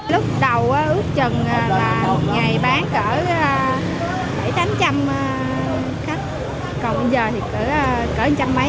lúc đầu ước chừng là một ngày bán cỡ bảy tám trăm khách còn bây giờ thì cỡ một trăm linh mấy hai trăm linh